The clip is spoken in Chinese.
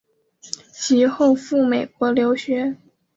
其后赴美国留学。